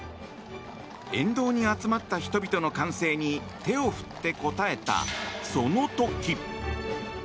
沿道に集まった人々の歓声に手を振って応えた、その時。